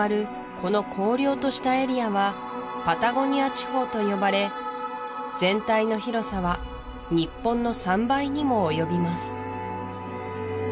この荒涼としたエリアはパタゴニア地方と呼ばれ全体の広さは日本の３倍にも及びます